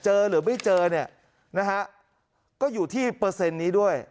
หรือไม่เจอเนี่ยนะฮะก็อยู่ที่เปอร์เซ็นต์นี้ด้วย